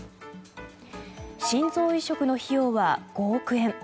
心臓移植の費用は５億円。